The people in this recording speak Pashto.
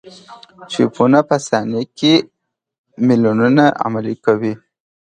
چپونه په ثانیه کې میلیونونه عملیې کوي.